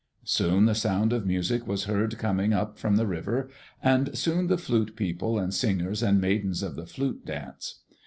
Soon the sound of music was heard, coming from up the river, and soon the Flute People and singers and maidens of the Flute dance.